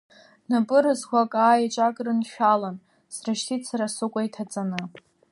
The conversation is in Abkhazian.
Напы разқәак, аа, еҵәак рыншәалан, срышьҭит сара сыкәа иҭаҵаны.